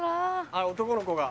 男の子が。